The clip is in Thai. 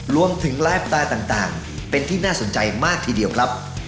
รวมถึงไลฟ์สไตล์ต่างเป็นที่น่าสนใจมากทีเดียวครับ